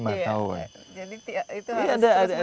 jadi itu harus terus mencoba